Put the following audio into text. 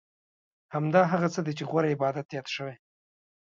همدا هغه څه دي چې غوره عبادت یاد شوی.